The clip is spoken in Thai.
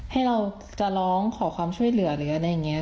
ให้เราจะร้องขอความช่วยเหลือหรืออะไรอย่างนี้